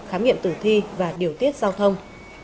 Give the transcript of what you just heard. khám nghiệm tử thi và điều tiết giao thông